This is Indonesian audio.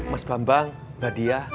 mas bambang mbak diah